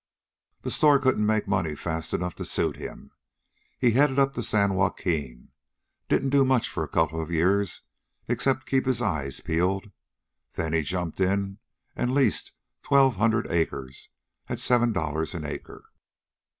The store couldn't make money fast enough to suit him. He headed up the San Joaquin. Didn't do much for a couple of years except keep his eyes peeled. Then he jumped in and leased twelve hundred acres at seven dollars an acre."